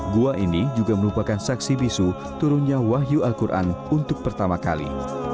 gua ini juga merupakan saksi bisu turunnya wahyu al quran untuk pertama kali